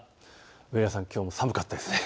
上原さん、きょうも寒かったですね。